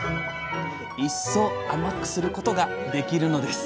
一層甘くすることができるのです。